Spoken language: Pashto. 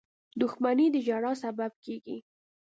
• دښمني د ژړا سبب کېږي.